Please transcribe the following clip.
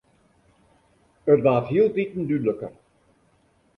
It waard hieltiten dúdliker.